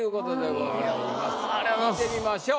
聞いてみましょう。